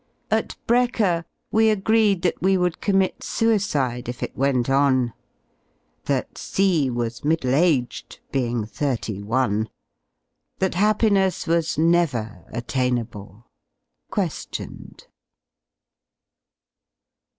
At brekker we agreed that we would commit suicide if it went on; that C was middle aged, being thirty one; that .happiness was never attainable (que^ioned).